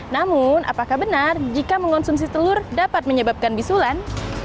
namun apakah benar jika mengonsumsi telur dapat menyebabkan bisulan